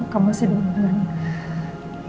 kamu masih dihubungi